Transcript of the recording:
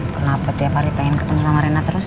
kenapa dia paling pengen ketemu sama rena terus